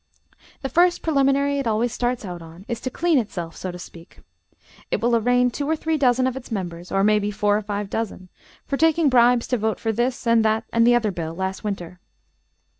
The first preliminary it always starts out on, is to clean itself, so to speak. It will arraign two or three dozen of its members, or maybe four or five dozen, for taking bribes to vote for this and that and the other bill last winter."